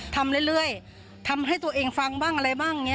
ทำเรื่อยทำให้ตัวเองฟังบ้างอะไรบ้างอย่างนี้